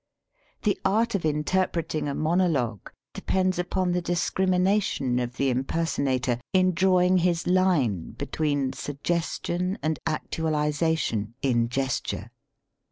The art of interpret ing a monologue depends upon the discrimi nation of the impersonator in drawing his line between suggestion and actualization in gesture.